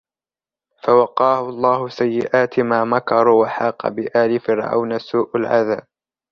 فوقاه الله سيئات ما مكروا وحاق بآل فرعون سوء العذاب